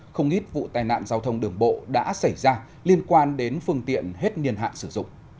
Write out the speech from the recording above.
không ít vụ tai nạn giao thông đường bộ đã xảy ra liên quan đến phương tiện hết niên hạn sử dụng